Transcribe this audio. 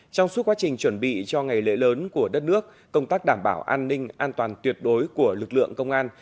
trong suốt quá trình chuẩn bị cho ngày lễ lớn của đất nước công tác đảm bảo an ninh an toàn tuyệt đối của lực lượng công an